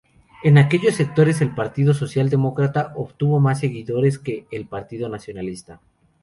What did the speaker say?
En aquellos sectores el Partido Socialdemócrata obtuvo más seguidores que el Partido Nacionalsocialista.